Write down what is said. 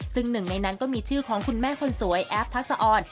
ซึ่งหนึ่งในนั้นก็มีชื่อของคุณแม่คนสวยแอฟทักษะออน